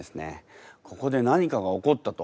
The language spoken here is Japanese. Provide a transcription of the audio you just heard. ここで何かが起こったと？